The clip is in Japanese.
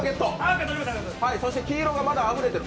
そして黄色がまだあぶれてる。